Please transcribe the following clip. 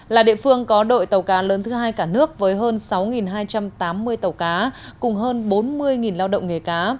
là địa phương có đội tàu cá lớn thứ hai cả nước với hơn sáu hai trăm tám mươi tàu cá cùng hơn bốn mươi lao động nghề cá